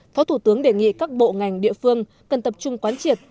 phó thủ tướng đề nghị các bộ ngành địa phương cần tập trung quán triệt